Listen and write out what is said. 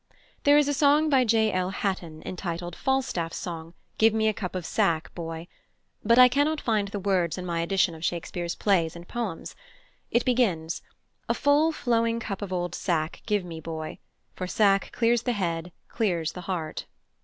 There is a song by +J. L. Hatton+ entitled "Falstaff's Song: Give me a cup of sack, boy." But I cannot find the words in my edition of Shakespeare's plays and poems. It begins: A full, flowing cup of old sack give me, boy; For sack clears the head, clears the heart.